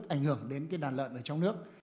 ảnh hưởng đến cái đàn lợn